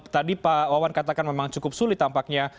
tadi pak wawan katakan memang cukup sulit tampaknya